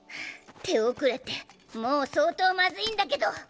手遅れってもう相当まずいんだけど。